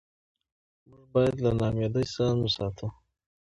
موږ باید له ناامیدۍ ځان وساتو